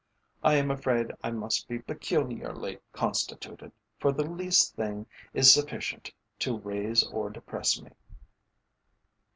I am afraid I must be peculiarly constituted, for the least thing is sufficient to raise or depress me."